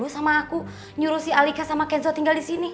sampai jumpa di video selanjutnya